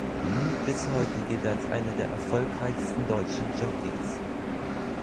Bis heute gilt er als einer der erfolgreichsten deutschen Jockeys.